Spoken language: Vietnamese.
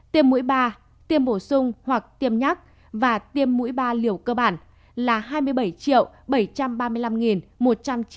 tiêm mũi ba tiêm bổ sung hoặc tiêm nhắc và tiêm mũi ba liều cơ bản là hai mươi bảy bảy trăm ba mươi năm một trăm chín mươi